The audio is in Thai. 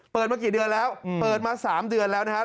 มากี่เดือนแล้วเปิดมา๓เดือนแล้วนะครับ